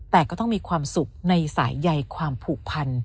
แต่ก็ต้องมีความสุขในสายใยความผูกพัน